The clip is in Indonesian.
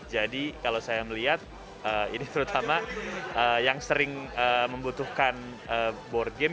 jadi kalau saya melihat ini terutama yang sering membutuhkan board game